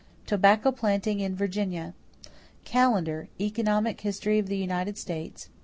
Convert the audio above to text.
=Tobacco Planting in Virginia.= Callender, Economic History of the United States, pp.